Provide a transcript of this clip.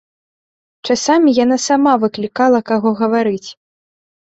Часамі яна сама выклікала каго гаварыць.